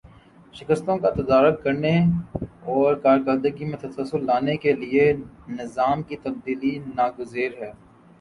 شکستوں کا تدارک کرنے اور کارکردگی میں تسلسل لانے کے لیے نظام کی تبدیلی ناگزیر ہے